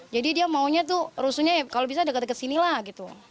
jadi dia maunya tuh rusunnya kalau bisa dekat dekat sini lah gitu